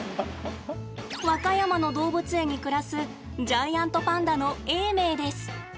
和歌山の動物園に暮らすジャイアントパンダの永明です。